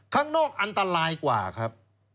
ข้างนอกอันตรายกว่าครับ